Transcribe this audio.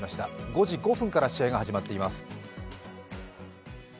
５時５分から試合が始まっています。